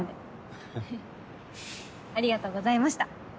ははっありがとうございました。